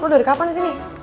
lu lu dari kapan disini